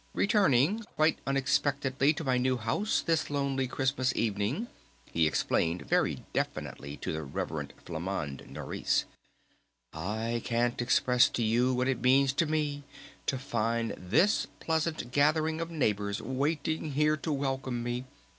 "Returning quite unexpectedly to my new house this lonely Christmas evening," he explained very definitely to the Rev. Flamande Nourice, "I can't express to you what it means to me to find this pleasant gathering of neighbors waiting here to welcome me!